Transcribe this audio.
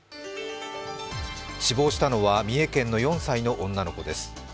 死亡したのは三重県の４歳の女の子です。